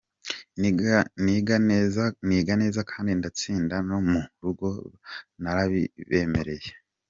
Niga neza kandi ndatsinda, no mu rugo narabibemereye.